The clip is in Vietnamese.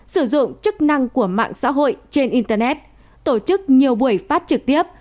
sử dụng chức năng của mạng xã hội trên internet tổ chức nhiều buổi phát trực tiếp